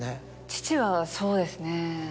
父はそうですね。